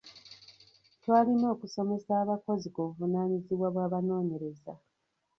Twalina okusomesa abakozi ku buvunaanyizibwa bw’abanoonyereza.